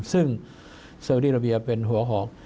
ซึ่งเซลดีราเบียเป็นหัวหอก